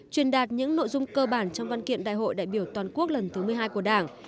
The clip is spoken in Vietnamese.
truyền đạt những nội dung cơ bản trong văn kiện đại hội đại biểu toàn quốc lần thứ một mươi hai của đảng